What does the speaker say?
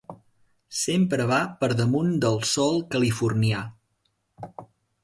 Sempre va per damunt del sol californià.